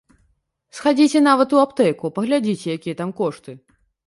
Схадзіце нават у аптэку, паглядзіце якія там кошты.